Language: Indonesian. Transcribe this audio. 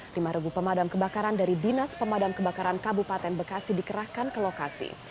lima regu pemadam kebakaran dari dinas pemadam kebakaran kabupaten bekasi dikerahkan ke lokasi